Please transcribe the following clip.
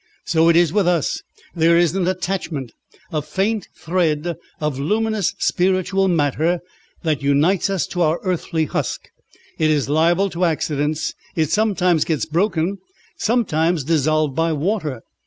So it is with us; there is an attachment, a faint thread of luminous spiritual matter that unites us to our earthly husk. It is liable to accidents. It sometimes gets broken, sometimes dissolved by water.